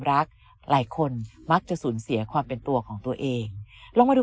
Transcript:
รักหลายคนมักจะสูญเสียความเป็นตัวของตัวเองลองมาดู